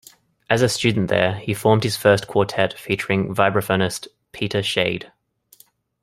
As a student there he formed his first quartet, featuring vibraphonist Peter Shade.